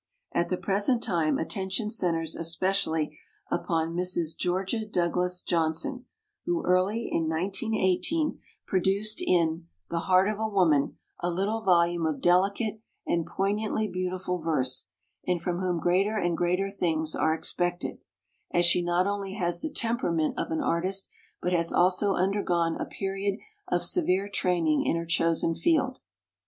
At the present time at tention centers especially upon Mrs. Geor gia Douglas Johnson, who early in 1918 20 WOMEN OF ACHIEVEMENT produced in The Heart of a Woman a little volume of delicate and poignantly beautiful verse, and from whom greater and greater things are expected, as she not only has the temperament of an artist but has also undergone a period of severe training in her chosen field.